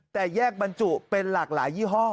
แต่แยกบรรจุเป็นหลากหลายยี่ห้อ